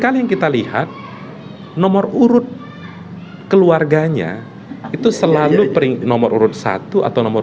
kali kita lihat nomor urut keluarganya itu selalu peringkat nomor urut satu atau nomor